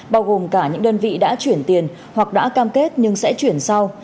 bao gồm cả những đơn vị đã chuyển tiền hoặc đã cam kết nhưng sẽ chuyển sau